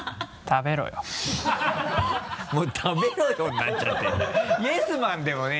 食べろよ。